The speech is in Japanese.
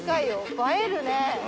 映えるね。